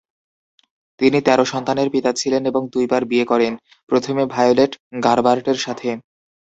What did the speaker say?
তিনি তেরো সন্তানের পিতা ছিলেন এবং দুইবার বিয়ে করেন, প্রথমে ভায়োলেট গারবার্টের সাথে।